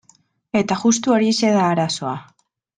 Eta justu horixe da arazoa.